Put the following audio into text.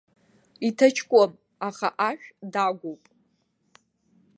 Иҭаҷкәым, аха ашә дагәоуп!